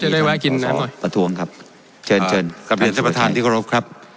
จะได้ไว้กินขอประทรวงครับเชิญเชิญท่านประธานติกฤษครับ